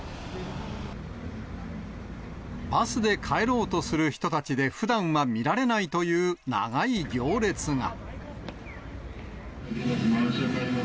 バスで帰ろうとする人たちで、ふだんは見られないという長い行列が。